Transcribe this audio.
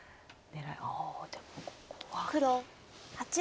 ああでもここは。